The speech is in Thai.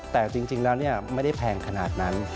แต่จริงแล้วไม่ได้แพงขนาดนั้น